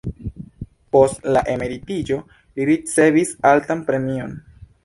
Post la emeritiĝo li ricevis altan premion.